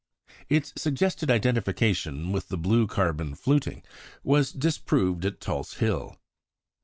Its suggested identification with the blue carbon fluting was disproved at Tulse Hill.